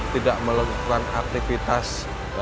tidak melakukan aktivitas